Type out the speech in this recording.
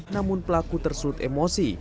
namun pelaku tersulut emosi